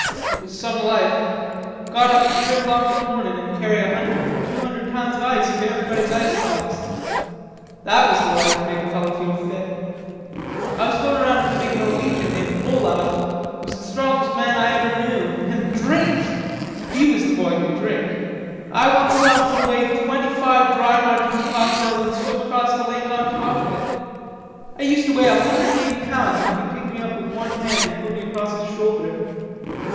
It was some life. Get up at three o'clock in the morning an' carry a hundred or two hundred pounds of ice into everybody's ice box. That was the life to make a feller feel fit. I was goin' around with a big Norwegian named Olaf, who was the strongest man I ever knew. An' drink! He was the boy could drink. I once saw him put away twenty five dry Martini cocktails an' swim across the lake on top of it.... I used to weigh a hundred and eighty pounds, and he could pick me up with one hand and put me across his shoulder....